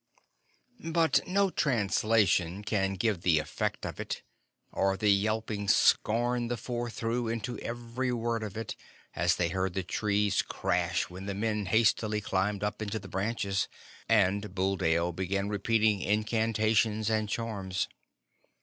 _" But no translation can give the effect of it, or the yelping scorn the Four threw into every word of it, as they heard the trees crash when the men hastily climbed up into the branches, and Buldeo began repeating incantations and charms.